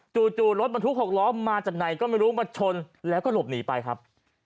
จู่รถบรรทุก๖ล้อมาจากไหนก็ไม่รู้มาชนแล้วก็หลบหนีไปครับ